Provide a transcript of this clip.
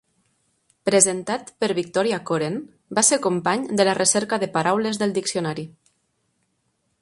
Presentat per Victoria Coren, va ser company de la recerca de paraules del diccionari.